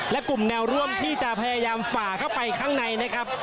และกลุ่มแนวร่วมที่จะพยายามฝ่าเข้าไปข้างในนะครับ